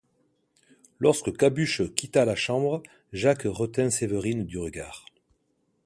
Lorsque Cabuche quitta la chambre, Jacques retint Séverine du regard.